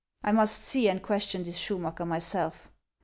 1 must see and question this Schumacker myself.